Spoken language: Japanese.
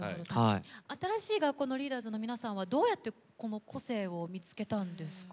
新しい学校のリーダーズの皆さんはどうやって、個性を見つけたんですか？